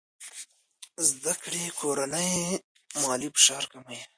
زده کړه ښځه د کورنۍ مالي فشار کموي.